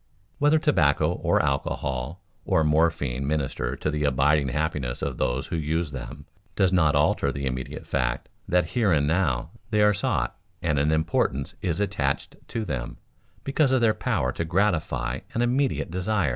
Whether tobacco or alcohol or morphine minister to the abiding happiness of those who use them does not alter the immediate fact that here and now they are sought and an importance is attached to them because of their power to gratify an immediate desire.